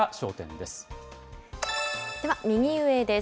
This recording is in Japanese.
では、右上です。